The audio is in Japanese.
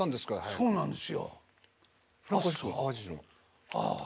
そうなんです。